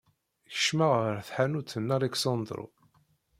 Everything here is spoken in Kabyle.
Kecmeɣ ɣer tḥanut n Aleksandro.